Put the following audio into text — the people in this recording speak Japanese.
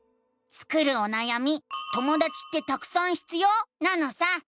スクるおなやみ「ともだちってたくさん必要？」なのさ！